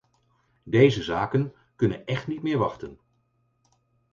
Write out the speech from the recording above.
Deze zaken kunnen echt niet meer wachten.